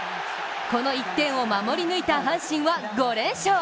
この１点を守り抜いた阪神は５連勝。